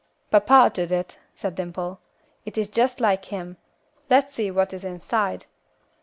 "Papa did it," said Dimple, "it is just like him; let's see what is inside.